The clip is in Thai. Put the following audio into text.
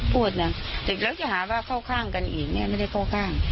พูดนะเด็กแล้วจะหาว่าเข้าข้างกันอีกเนี่ยไม่ได้เข้าข้าง